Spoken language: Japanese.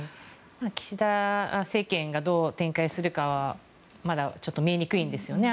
岸田政権がどう展開するかはまだ見えにくいんですよね。